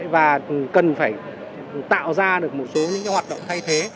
và cần phải tạo ra được một số những hoạt động thay thế